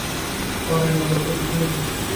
পাড়ায় নাডু কুটিতে যাইব।